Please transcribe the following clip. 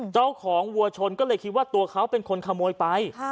เจ้าของวัวชนก็คิดตัวเขาเป็นคนขโมยไป